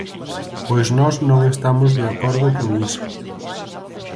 Pois nós non estamos de acordo con iso.